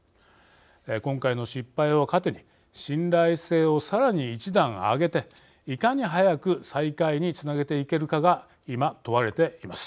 今回の失敗を糧に信頼性をさらに一段上げていかに早く再開につなげていけるかが今、問われています。